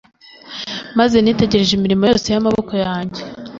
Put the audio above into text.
maze nitegereje imirimo yose y’amaboko yanjye